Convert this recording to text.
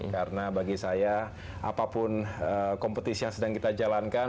karena bagi saya apapun kompetisi yang sedang kita jalankan